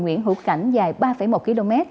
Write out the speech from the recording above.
nguyễn hữu khảnh dài ba một km